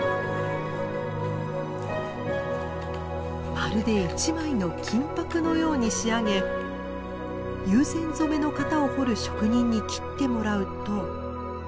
まるで一枚の金箔のように仕上げ友禅染の型を彫る職人に切ってもらうと。